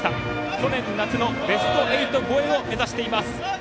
去年夏のベスト８超えを目指しています。